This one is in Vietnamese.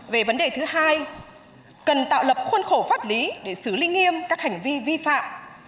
về vấn đề thứ hai cần tạo lập khuôn khổ pháp lý để xử lý nghiêm các hành vi vi phạm